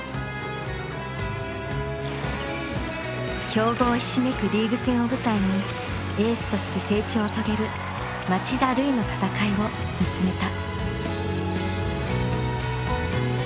強豪ひしめくリーグ戦を舞台にエースとして成長を遂げる町田瑠唯の闘いを見つめた。